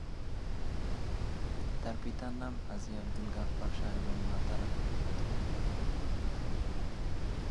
তার পিতার নাম হাজী আব্দুল গাফফার শাহ এবং মাতা রহিমা খাতুন।